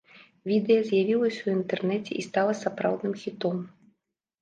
Відэа з'явілася ў інтэрнэце і стала сапраўдным хітом.